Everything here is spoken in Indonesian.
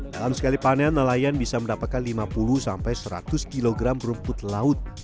dalam sekali panen nelayan bisa mendapatkan lima puluh sampai seratus kg rumput laut